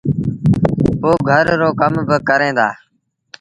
پو گھر رو ڪم با ڪريݩ دآ۔